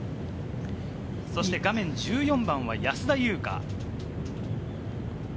画面１４番は安田祐香。